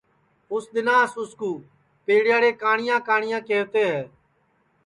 اُس دؔناس اُس پیڑیاڑے کاٹؔیا کاٹؔیا کیہوتے ہے